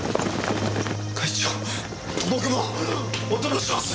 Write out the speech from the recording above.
会長僕もお供します！